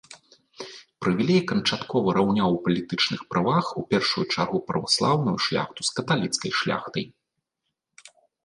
Прывілей канчаткова раўняў ў палітычных правах у першую чаргу праваслаўную шляхту з каталіцкай шляхтай.